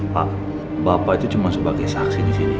pak bapak itu cuma sebagai saksi di sini